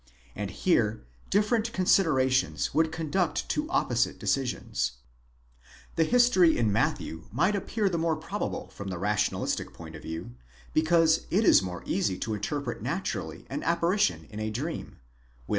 And here different con siderations would conduct to opposite decisions. The history in Matthew might appear the more probable from the rationalistic point of view, because it is more easy to interpret naturally an apparition in a dream; whilst that in 7 Paulus, exeg.